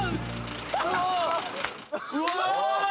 うわ！